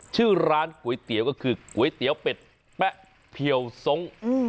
ชื่อร้านก๋วยเตี๋ยวก็คือก๋วยเตี๋ยวเป็ดแป๊ะเพียวทรง